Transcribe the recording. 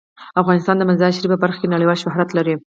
افغانستان د مزارشریف په برخه کې نړیوال شهرت لري.